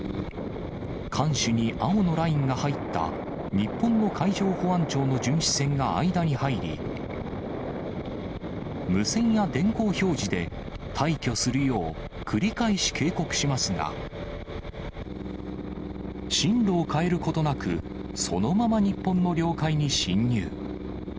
艦首に青のラインが入った日本の海上保安庁の巡視船が間に入り、無線や電光表示で、退去するよう繰り返し警告しますが、進路を変えることなく、そのまま日本の領海に侵入。